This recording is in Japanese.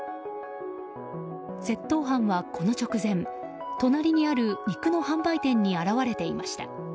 窃盗犯はこの直前、隣にある肉の販売店に現れていました。